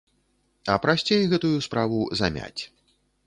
А прасцей гэтую справу замяць.